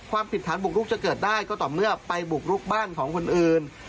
ความผิดฐานบุกรุกจะเกิดได้ก็ต่อเมื่อไปบุกลุกบ้านของคนอื่น